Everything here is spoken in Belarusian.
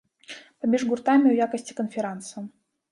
Паміж гуртамі ў якасці канферанса.